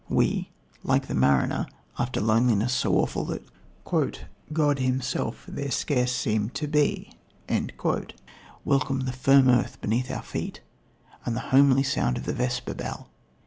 We, like the mariner, after loneliness so awful that "God himself Scarce seemèd there to be," welcome the firm earth beneath our feet, and the homely sound of the vesper bell.